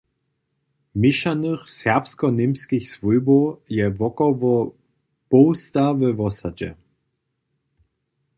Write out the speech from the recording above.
Měšanych serbsko-němskich swójbow je wokoło połsta we wosadźe.